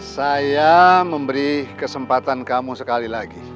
saya memberi kesempatan kamu sekali lagi